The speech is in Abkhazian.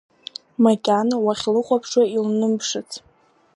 Макьана уахьлыхәаԥшуа илнымԥшыц.